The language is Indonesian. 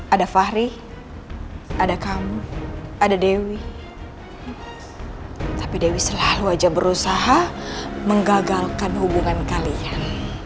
ada fahri ada kamu ada dewi tapi dewi selalu aja berusaha menggagalkan hubungan kalian